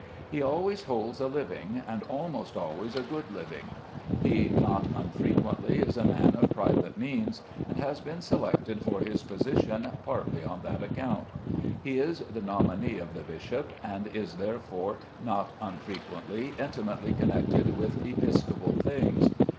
He always holds a living, and almost always a good living. He not unfrequently is a man of private means, and has been selected for his position partly on that account. He is the nominee of the bishop, and is, therefore, not unfrequently intimately connected with episcopal things.